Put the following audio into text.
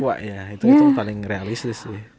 ya itu paling realistis sih